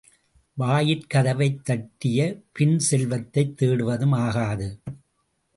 வாயிற் கதவைத் தட்டிய பின் செல்வத்தைத் தேடுவதும் ஆகாது.